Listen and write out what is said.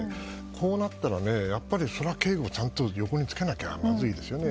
こうなったら、それは警護ちゃんと横につけないとまずいですよね。